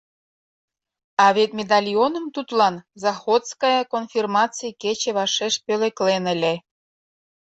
А вет медальоным тудлан Захоцкая конфирмаций кече вашеш пӧлеклен ыле!